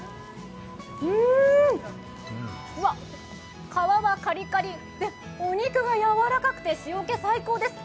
うわっ、皮はカリカリ、お肉が柔らかくて、塩気最高です。